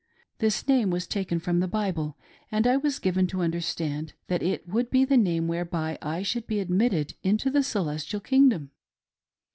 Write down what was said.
This name was taken from the Bible, and I was given to understand that it would be the name whereby I should be admitted into the celestial kingdom.